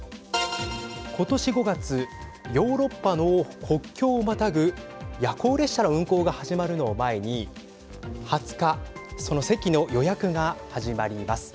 今年５月ヨーロッパの国境をまたぐ夜行列車の運行が始まるのを前に２０日その席の予約が始まります。